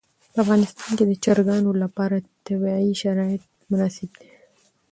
په افغانستان کې د چرګانو لپاره طبیعي شرایط مناسب دي.